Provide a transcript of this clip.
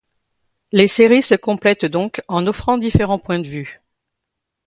Les séries se complètent donc en offrant différents points de vue.